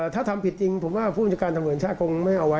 ถ้าทำผิดจริงผู้บัญชาการตำรวจแห่งชาติก็ไม่เอาไว้